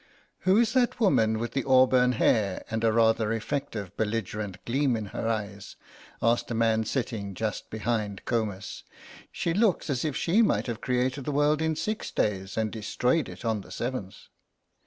"Who is that woman with the auburn hair and a rather effective belligerent gleam in her eyes?" asked a man sitting just behind Comus; "she looks as if she might have created the world in six days and destroyed it on the seventh."